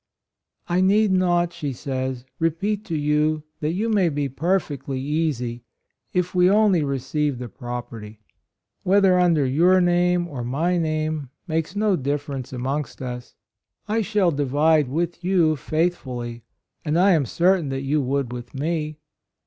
—" I need not," she says, " repeat to you that you may be perfectly easy if we only receive the property. Whether under your name or my name, makes no difference amongst us ; I shall divide with you faith fully, as I am certain you would 72 HIS FORTUNE, with me.